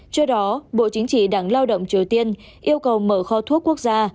trước đó bộ chính trị đảng lao động triều tiên yêu cầu mở kho thuốc quốc gia